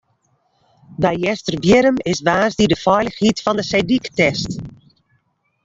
By Easterbierrum is woansdei de feilichheid fan de seedyk test.